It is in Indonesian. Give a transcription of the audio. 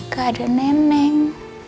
gak ada neneng